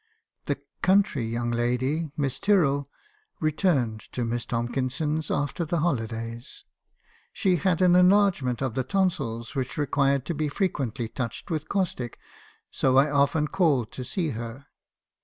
"The 4 country young lady,' Miss Tyrrell, returned to Miss Tomkinson's after the holidays. She had an enlargement of the tonsils, which required to be frequently touched with caustic, so I often called to see her.